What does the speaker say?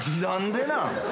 何でなん。